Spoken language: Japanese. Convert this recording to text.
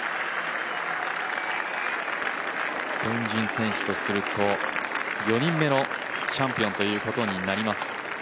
スペイン人選手とすると４人目のチャンピオンということになります。